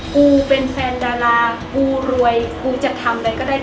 กูเป็นแฟนดารากูรวยกูจะทำอะไรก็ได้